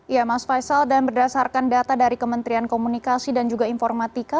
ya mas faisal dan berdasarkan data dari kementerian komunikasi dan juga informatika